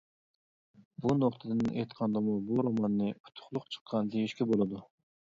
بۇ نۇقتىدىن ئېيتقاندىمۇ بۇ روماننى ئۇتۇقلۇق چىققان، دېيىشكە بولىدۇ.